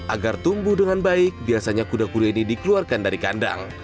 agar tumbuh dengan baik biasanya kuda kuda ini dikeluarkan dari kandang